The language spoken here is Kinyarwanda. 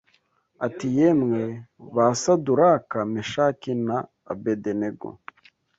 ati yemwe ba Saduraka Meshaki na Abedenego